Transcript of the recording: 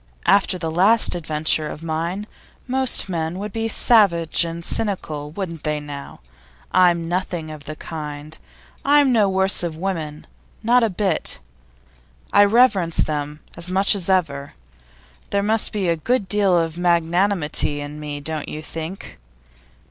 After that last adventure of mine most men would be savage and cynical, wouldn't they, now? I'm nothing of the kind. I think no worse of women not a bit. I reverence them as much as ever. There must be a good deal of magnanimity in me, don't you think?